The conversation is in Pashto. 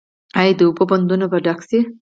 آیا د اوبو بندونه به ډک شي؟